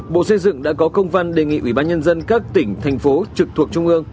bộ xây dựng đã có công văn đề nghị ubnd các tỉnh thành phố trực thuộc trung ương